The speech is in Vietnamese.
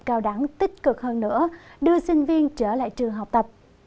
cao đẳng tích cực hơn nữa đưa sinh viên trở lại trường học tập